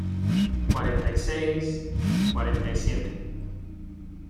cuarenta y seis, cuarenta y siete.